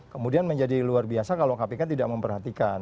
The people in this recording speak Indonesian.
kemudian menjadi luar biasa kalau kpk tidak memperhatikan